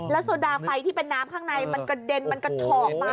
โซดาไฟที่เป็นน้ำข้างในมันกระเด็นมันกระฉอกมา